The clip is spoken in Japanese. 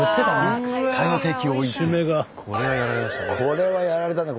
これはやられましたね。